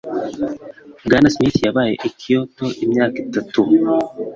Bwana Smith yabaye i Kyoto imyaka itatu. (slivercat)